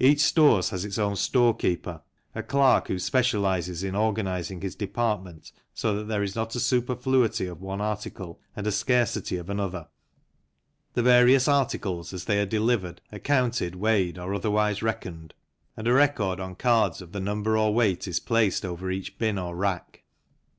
Each stores has its own storekeeper, a clerk who specializes in organizing his department so that there is not a superfluity of one article and a scarcity of another. The various articles as they are delivered are counted, weighed, or otherwise reckoned, and a 32 H *> S5 tfcl > t, O b o b 5 1 n g* af i 34 THE CYCLE INDUSTRY record on cards of the number or weight is placed over each bin or rack.